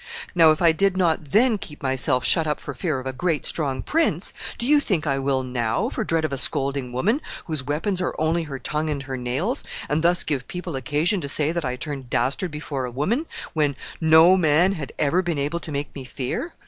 Now if I did not then keep myself shut up for fear of a great, strong prince, do you think I will now, for dread of a scolding woman, whose weapons are only her tongue and her nails, and thus give people occasion to say that I turned dastard before a woman, when no man had ever been able to make me fear?